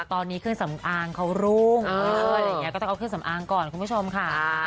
ตอนนี้เครื่องสำอางเขารุ่งอะไรอย่างนี้ก็ต้องเอาเครื่องสำอางก่อนคุณผู้ชมค่ะ